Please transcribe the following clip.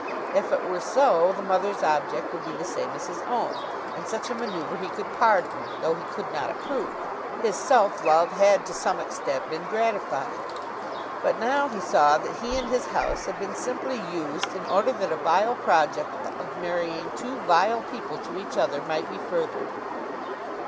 If it were so, the mother's object would be the same as his own, and such a manoeuvre he could pardon, though he could not approve. His self love had to some extent been gratified. But now he saw that he and his house had been simply used in order that a vile project of marrying two vile people to each other might be furthered!